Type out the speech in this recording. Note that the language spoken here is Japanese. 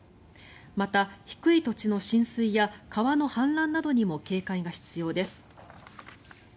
また、低い土地の浸水や川の氾濫などにも警戒が必要です。